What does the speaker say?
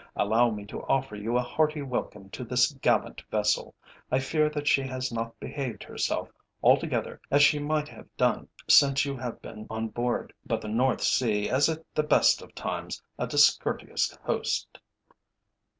Allow me to offer you a hearty welcome to this gallant vessel. I fear that she has not behaved herself altogether as she might have done since you have been on board, but the North Sea is at the best of times a discourteous host."